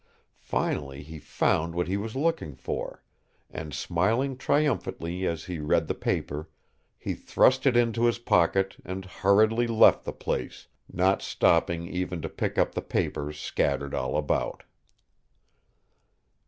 Finally he found what he was looking for, and, smiling triumphantly as he read the paper, he thrust it into his pocket and hurriedly left the place, not stopping even to pick up the papers scattered all about.